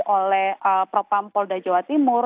oleh propam polda jawa timur